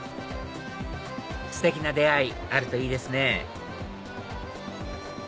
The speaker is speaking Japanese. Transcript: ステキな出会いあるといいですね